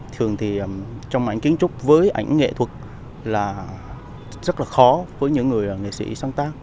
thường thì trong ảnh kiến trúc với ảnh nghệ thuật là rất là khó với những người nghệ sĩ sáng tác